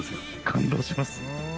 感動します？